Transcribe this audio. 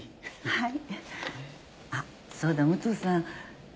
はい。